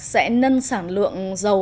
sẽ nâng sản lượng dầu